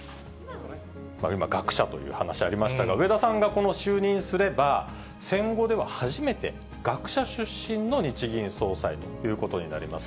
今、学者という話ありましたが、植田さんが就任すれば、戦後では初めて、学者出身の日銀総裁ということになります。